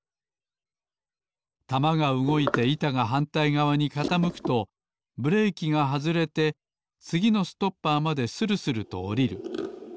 玉がうごいていたがはんたいがわにかたむくとブレーキがはずれてつぎのストッパーまでするするとおりる。